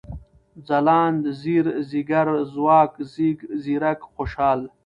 ځلاند ، ځير ، ځيگر ، ځواک ، ځيږ ، ځيرک ، خوشال